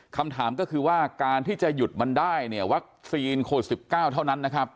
คำถามก็คือว่าการที่จะหยุดมันได้วัคซีนโควิด๑๙เท่านั้น